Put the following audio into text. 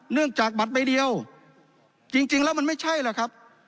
เนื่องจากบัตรใบเดียวจริงจริงแล้วมันไม่ใช่แหละครับ